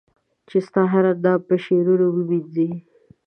چي ستا هر اندام په شعرونو و مېنځنې